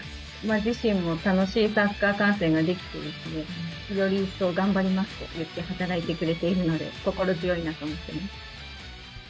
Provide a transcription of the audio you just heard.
自身も楽しいサッカー観戦ができて、より一層頑張りますと言って働いてくれているので、心強いなと思ってます。